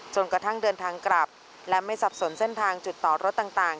กระทั่งเดินทางกลับและไม่สับสนเส้นทางจุดต่อรถต่าง